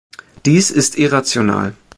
Dies ist irrational.